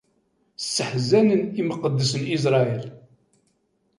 Sseḥzanen imqeddes n Isṛayil.